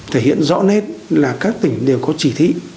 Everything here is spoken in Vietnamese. thể hiện rõ nét là các tỉnh đều có chỉ thị